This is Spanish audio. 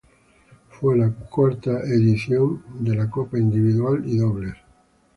Fue la cuarta edición del evento individual y dobles.